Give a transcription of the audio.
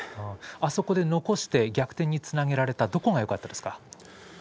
あそこで残して逆転につなげられた、どこがよかったですか？